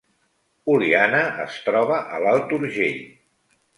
Oliana es troba a l’Alt Urgell